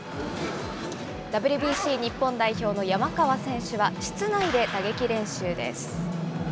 ＷＢＣ日本代表の山川選手は、室内で打撃練習です。